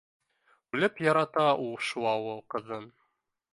Үлеп ярата ул шул ауыл ҡыҙын